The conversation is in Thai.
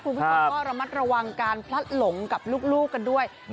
คุณผู้ชมก็ระมัดระวังการพลัดหลงกับลูกกันด้วย